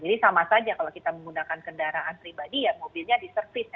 sama saja kalau kita menggunakan kendaraan pribadi ya mobilnya diservis